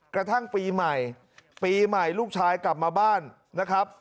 กระทั่งปีใหม่ปีใหม่ลูกชายกลับมาบ้านนะครับ